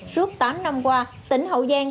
suốt tám năm qua tỉnh hậu giang